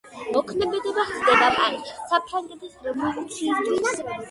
მოქმედება ხდება პარიზში საფრანგეთის რევოლუციის დროს.